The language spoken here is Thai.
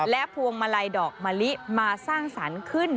และพวงมาลัยดอกมะลิมาสร้างสรรค์ขึ้น